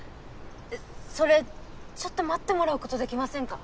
えっそれちょっと待ってもらうことできませんか？